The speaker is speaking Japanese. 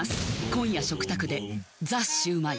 今夜食卓で「ザ★シュウマイ」